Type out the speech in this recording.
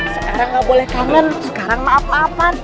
sekarang gak boleh kangen sekarang maaf maafan